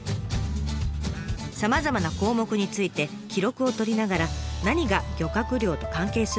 さまざまな項目について記録を取りながら何が漁獲量と関係するのか分析。